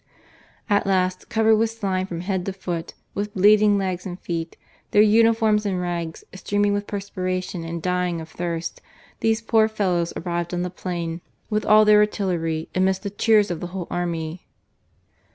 At last, covered with slime from head to foot, with bleeding legs and feet, their uniforms in rags, streaming with perspira tion and dying of thirst, these poor fellows arrived on the plain with all their artillery, amidst the cheers of the whole army.